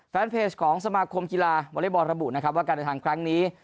แฟนเพจของสมาคมกีฬาวอเล็กบอลระบุนะครับว่าการเดินทางครั้งนี้